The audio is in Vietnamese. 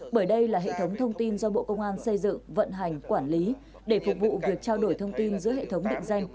bởi đây là hệ thống thông tin do bộ công an xây dựng vận hành quản lý để phục vụ việc trao đổi thông tin giữa hệ thống định danh